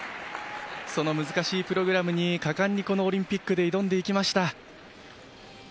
その難しいプログラムに果敢にこのオリンピックで挑んでいきました。